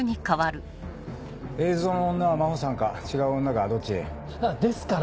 映像の女は真帆さんか違う女かどっち？ですから。